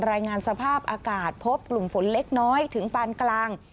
รายงานสภาพอากาศพบกลุ่มฝนเล็กน้อยถึงปานกลาง